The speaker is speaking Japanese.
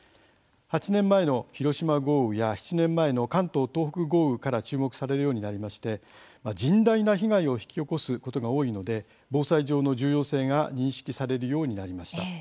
８年前の広島豪雨や７年前の関東・東北豪雨から注目されるようになりまして甚大な被害を引き起こすことが多いので、防災上の重要性が認識されるようになりました。